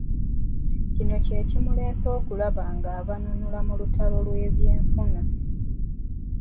Kino kye kimuleese okulaba ng'a banunula mu lutalo lw'ebyenfuna.